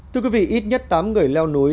thưa quý vị ít nhất tám người leo núi